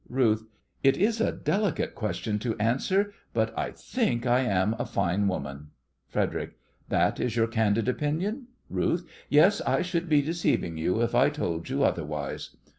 RUTH: It is a delicate question to answer, but I think I am a fine woman. FREDERIC: That is your candid opinion? RUTH: Yes, I should be deceiving you if I told you otherwise.